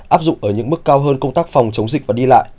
áp dụng ở những mức cao hơn công tác phòng chống dịch và đi lại